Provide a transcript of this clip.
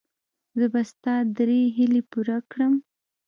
زه به ستا درې هیلې پوره کړم.